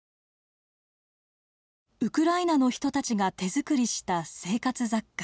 ウクライナの人たちが手作りした生活雑貨。